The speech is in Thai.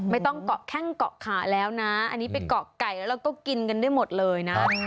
ไม่ต้องเกาะแข้งเกาะขาแล้วนะอันนี้ไปเกาะไก่แล้วเราก็กินกันได้หมดเลยนะ